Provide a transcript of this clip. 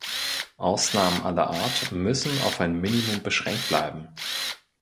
Ausnahmen aller Art müssen auf ein Minimum beschränkt bleiben.